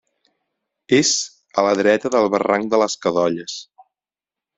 És a la dreta del barranc de les Cadolles.